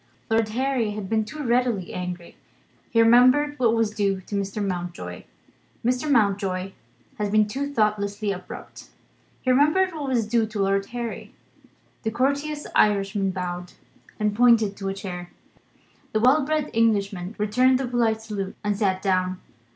Lord Harry had been too readily angry: he remembered what was due to Mr. Mountjoy. Mr. Mountjoy had been too thoughtlessly abrupt: he remembered what was due to Lord Harry. The courteous Irishman bowed, and pointed to a chair. The well bred Englishman returned the polite salute, and sat down.